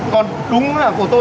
còn đúng là phải đi